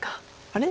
あれ？